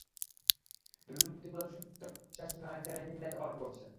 বিভিন্ন প্রতিকূলতা সত্ত্বেও তাঁরা নিষ্ঠার সঙ্গে অনেক চ্যালেঞ্জিং দায়িত্ব পালন করছেন।